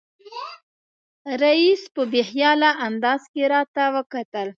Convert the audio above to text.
رییس په بې خیاله انداز کې راته وکتل.